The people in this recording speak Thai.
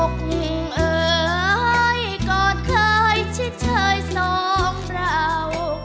อกงงเอ๋ยกอดเคยชิดเชยสองเรา